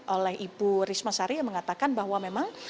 oleh ibu risma sari yang mengatakan bahwa memang